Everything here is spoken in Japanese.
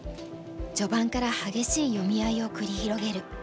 序盤から激しい読み合いを繰り広げる。